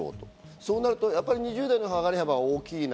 そうなると、２０代の上がり幅が大きい。